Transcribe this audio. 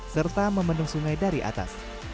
serta membendung sungai dari atas